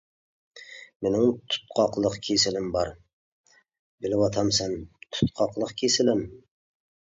مېنىڭ تۇتقاقلىق كېسىلىم بار، بىلىۋاتامسەن، تۇتقاقلىق كېسىلىم.